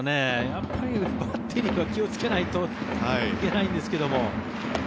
やっぱりバッテリーは気をつけないといけないんですけど。